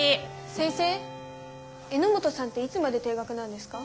先生榎本さんっていつまで停学なんですか？